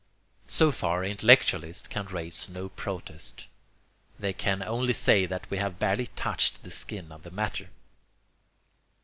So far, intellectualists can raise no protest. They can only say that we have barely touched the skin of the matter.